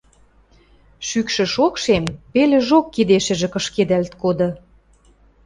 Шӱкшӹ шокшем пелӹжок кидешӹжӹ кышкедӓлт коды.